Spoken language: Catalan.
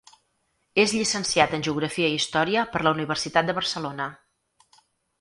És llicenciat en Geografia i història per la Universitat de Barcelona.